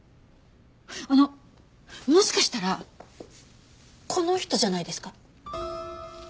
あのもしかしたらこの人じゃないですか？